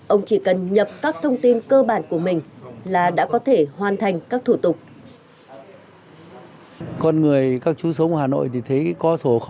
ông chỉ cần nhập các thông tin cơ bản của mình là đã có thể hoàn thành các thủ tục